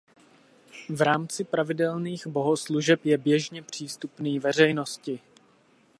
V rámci pravidelných bohoslužeb je běžně přístupný veřejnosti.